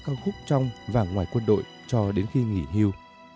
ca khúc trong và ngoài quân đội cho đến khi nghỉ hưu